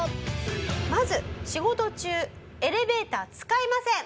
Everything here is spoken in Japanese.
まず仕事中エレベーター使いません。